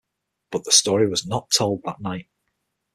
But the story was not told that night.